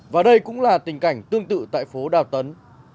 và đây cũng là tình cảnh tương tự tại phố đào tấn